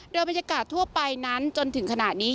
โดยบรรยากาศทั่วไปนั้นจนถึงขณะนี้